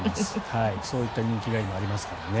そういった人気が今、ありますからね。